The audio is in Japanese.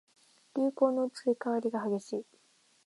流行の移り変わりが激しい